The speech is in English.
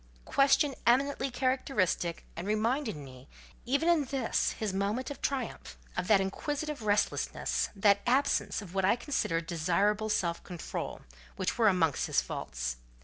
—question eminently characteristic, and reminding me, even in this his moment of triumph, of that inquisitive restlessness, that absence of what I considered desirable self control, which were amongst his faults.